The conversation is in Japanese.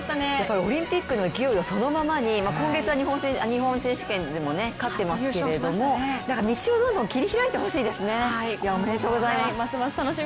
オリンピックの勢いそのままに、今月は日本選手権でも勝っていますけど道をどんどん切り開いてほしいですね、おめでとうございます。